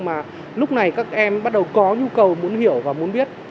mà lúc này các em bắt đầu có nhu cầu muốn hiểu và muốn biết